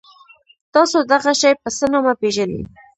تاسو دغه شی په څه نامه پيژنی؟